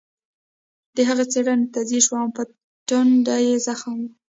د هغې څېرې ته ځیر شوم او په ټنډه یې زخم و